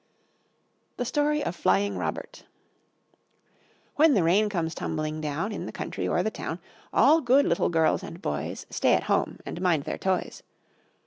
The Story of Flying Robert When the rain comes tumbling down In the country or the town, All good little girls and boys Stay at home and mind their toys.